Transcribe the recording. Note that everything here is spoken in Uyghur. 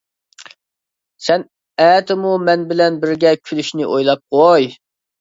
سەن ئەتىمۇ مەن بىلەن بىرگە كۈلۈشنى ئويلاپ قوي.